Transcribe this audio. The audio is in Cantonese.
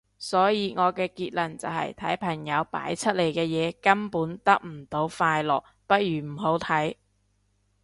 所以我嘅結論就係睇朋友擺出嚟嘅嘢根本得唔到快樂，不如唔好睇